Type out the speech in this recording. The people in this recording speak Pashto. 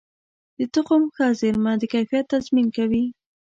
د تخم ښه زېرمه د کیفیت تضمین کوي.